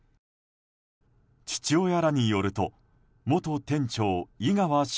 父親らによると元店長、井川翔